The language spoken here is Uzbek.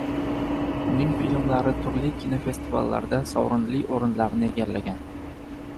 Uning filmlari turli kinofestivallarda sovrinli o‘rinlarni egallagan.